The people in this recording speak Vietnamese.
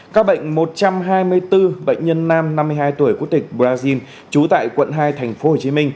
các bệnh một trăm hai mươi bốn bệnh nhân nam năm mươi hai tuổi quốc tịch brazil trú tại quận hai tp hcm